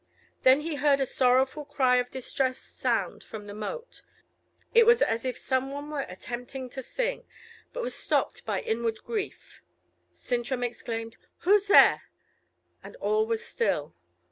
Then he heard a sorrowful cry of distress sound from the moat; it was as if some one were attempting to sing, but was stopped by inward grief. Sintram exclaimed, "Who's there?" and all was still.